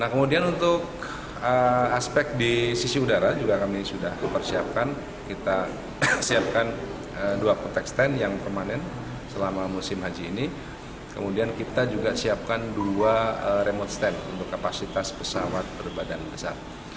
kemudian kita juga siapkan dua remote stand untuk kapasitas pesawat berbadan besar